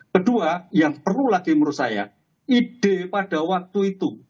kedua yang perlu lagi menurut saya ide pada waktu itu